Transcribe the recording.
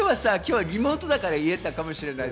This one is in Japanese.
今日はリモートだから言えたかもしれない。